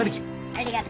ありがとう。